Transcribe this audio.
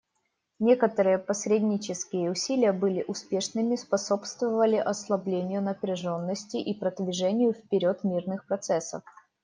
Некоторые посреднические усилия были успешными, способствовали ослаблению напряженности и продвижению вперед мирных процессов.